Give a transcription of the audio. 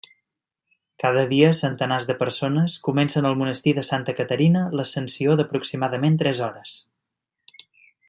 Cada dia, centenars de persones comencen al monestir de Santa Caterina l'ascensió d'aproximadament tres hores.